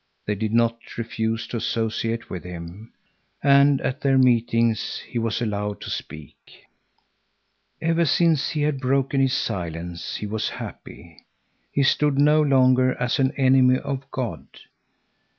They did not refuse to associate with him. And at their meetings he was allowed to speak. Ever since he had broken his silence he was happy. He stood no longer as an enemy of God.